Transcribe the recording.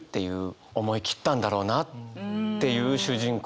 思い切ったんだろうなっていう主人公の強さが見える。